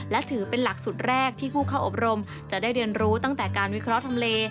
และถือเป็นหลักสุดแรกที่ผู้เข้าอบรมจะได้เรียนรู้ตั้งแต่การวิเคราะห์ทำเล